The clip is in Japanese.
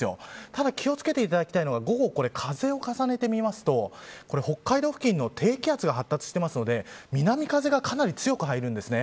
ただ気を付けていただきたいのは午後、風を重ねてみると北海道付近の低気圧が発達しているので南風がかなり強く入るんです。